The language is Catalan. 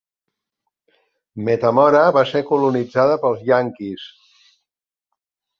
Metamora va ser colonitzada pels Ianquis.